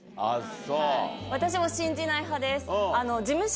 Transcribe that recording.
私も信じない派です。